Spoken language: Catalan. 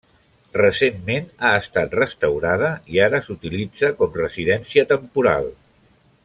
Recentment ha estat restaurada i ara s'utilitza com residència temporal.